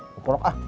oh bukrok ah